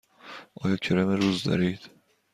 آیا کرم روز دارید؟